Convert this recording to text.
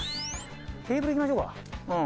テーブルいきましょうかうん。